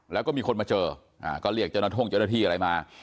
แล้วก็มีคนมาเจออ่าก็เรียกเจ้านัท่งเจ้าหน้าที่อะไรมา